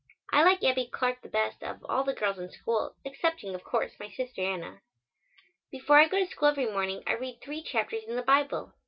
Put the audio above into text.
I like Abbie Clark the best of all the girls in school excepting of course my sister Anna. Before I go to school every morning I read three chapters in the Bible.